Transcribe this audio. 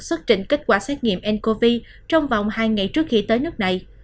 xuất trình kết quả xét nghiệm ncov trong vòng hai ngày trước khi tới nước này